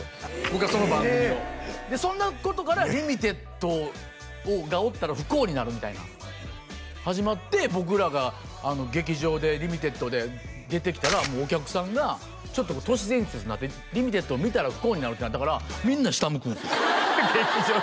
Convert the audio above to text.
僕はその番組をでそんなことからリミテッドがおったら不幸になるみたいな始まって僕らが劇場でリミテッドで出てきたらお客さんがちょっと都市伝説になってリミテッドを見たら不幸になるってなったからみんな下向くんですよ